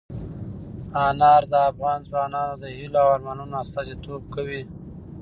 انار د افغان ځوانانو د هیلو او ارمانونو استازیتوب کوي.